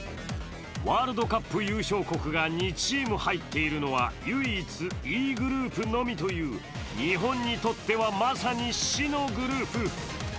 ワールドカップ優勝国が２チーム入っているのは唯一、Ｅグループのみという日本にとってはまさに死のグループ。